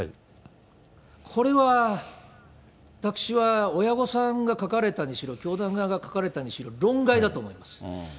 これは、私は親御さんが書かれたにしろ、教団側が書かれたにしろ、論外だと思います。